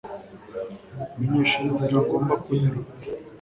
Menyesha inzira ngomba kunyura